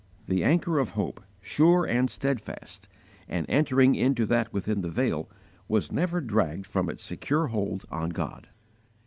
The anchor of hope, sure and steadfast, and entering into that within the veil, was never dragged from its secure hold on God.